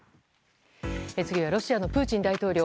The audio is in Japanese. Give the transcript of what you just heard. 次は、ロシアのプーチン大統領。